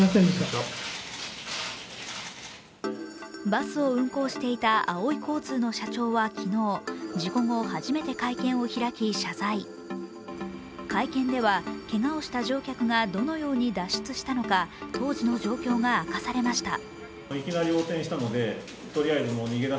バスを運行していたあおい交通の社長は昨日、昨日、事故後初めて会見を開き謝罪会見では、けがをした乗客がどのように脱出したのか当時の状況が明かされました。